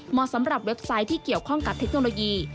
สำหรับเว็บไซต์ที่เกี่ยวข้องกับเทคโนโลยี